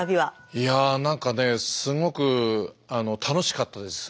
いや何かねすごく楽しかったです。